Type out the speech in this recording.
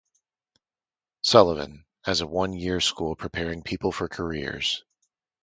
Sullivan, as a one-year school preparing people for careers.